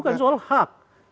bukan soal hak